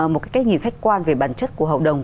một cách nhìn khách quan về bản chất của hậu đồng